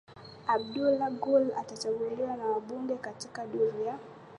Abdullah Gul atachaguliwa na wabunge katika duru ya